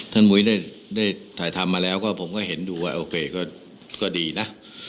มุ้ยได้ถ่ายทำมาแล้วก็ผมก็เห็นดูว่าโอเคก็ดีนะ